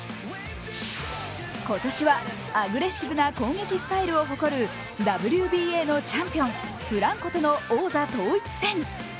今年はアグレッシブな攻撃スタイルを誇るＷＢＡのチャンピオン、フランコとの王座統一戦。